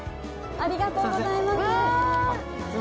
ありがとうございます。